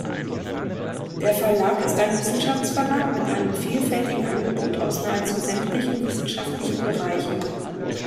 Der Verlag ist ein Wissenschaftsverlag mit einem vielfältigen Angebot aus nahezu sämtlichen wissenschaftlichen Bereichen.